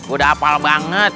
udah apal banget